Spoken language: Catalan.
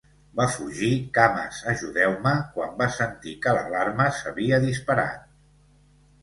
Va fugir cames ajudeu-me, quan va sentir que l'alarma s'havia disparat.